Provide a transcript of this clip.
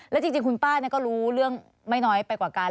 แล้วจริงคุณป้าก็รู้เรื่องไม่น้อยไปกว่ากัน